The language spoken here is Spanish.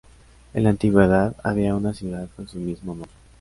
En la Antigüedad, había una ciudad con su mismo nombre.